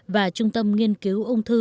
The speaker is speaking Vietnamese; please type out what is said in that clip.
và trung tâm nghiên cứu ung thư